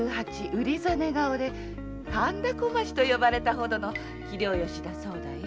うりざね顔で神田小町と呼ばれたほどの器量良しだそうだよ。